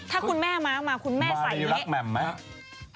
ถ้าคุณแม่มามาคุณแม่ใส่นี้มารีรักแม่มไหม